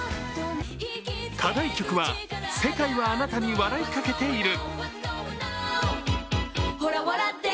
課題曲は「世界はあなたに笑いかけている」。